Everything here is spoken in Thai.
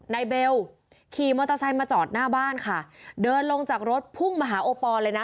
เบลขี่มอเตอร์ไซค์มาจอดหน้าบ้านค่ะเดินลงจากรถพุ่งมาหาโอปอลเลยนะ